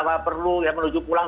tidak perlu menuju pulang